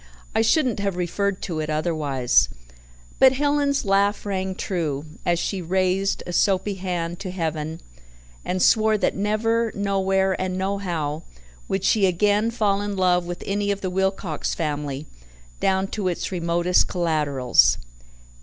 I shouldn't have referred to it otherwise." But Helen's laugh rang true, as she raised a soapy hand to heaven and swore that never, nowhere and nohow, would she again fall in love with any of the Wilcox family, down to its remotest collaterals.